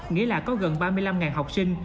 nghĩa là có gần ba mươi năm học sinh